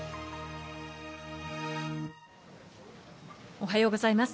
おはようございます。